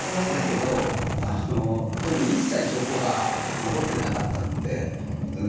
だけど一切証拠が残ってなかったので。